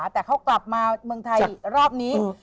แต่เขากลับมาเมืองไทยรอบนี้